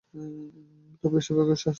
তবে বেশির ভাগই সাহসী ও দুর্ধর্ষ।